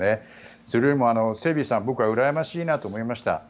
それよりもセビーさん、僕はうらやましいなと思いました。